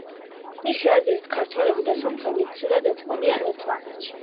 მისი აზრით, ქართველები და სომხები ცუდად ეწყობიან ერთმანეთში.